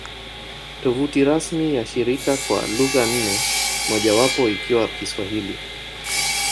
Tovuti rasmi ya shirika kwa lugha nne, mojawapo ikiwa Kiswahili